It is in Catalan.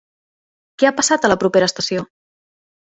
Què ha passat a la propera estació?